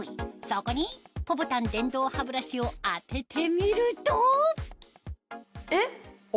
そこにＰＯＰＯＴＡＮ電動歯ブラシを当ててみるとえっ？